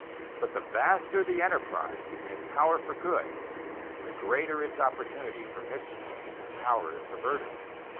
But the vaster the enterprise and its power for good, the greater its opportunity for mischief if its power is perverted.